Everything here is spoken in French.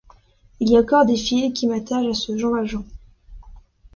Il y a encore des fils qui m’attachent à ce Jean Valjean.